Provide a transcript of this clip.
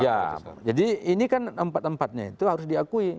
ya jadi ini kan empat empatnya itu harus diakui